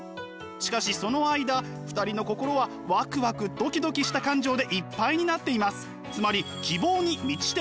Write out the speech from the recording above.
しかしその間２人の心はワクワクドキドキした感情でいっぱいになっています。